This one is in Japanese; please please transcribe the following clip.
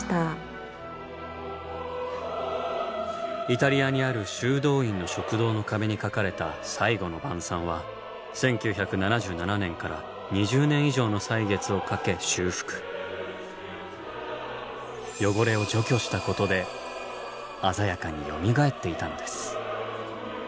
イタリアにある修道院の食堂の壁に描かれた「最後の晩餐」は１９７７年から汚れを除去したことで鮮やかによみがえっていたのです。